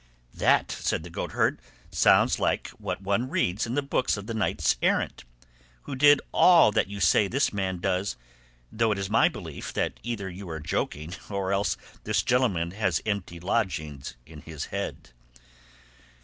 "That," said the goatherd, "sounds like what one reads in the books of the knights errant, who did all that you say this man does; though it is my belief that either you are joking, or else this gentleman has empty lodgings in his head."